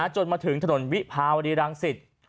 จนมาถึงถนนวิภาวดีรังสิต